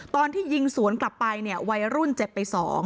ตอนที่ยิงสวนกลับไปเนี่ยวัยรุ่นเจ็บไป๒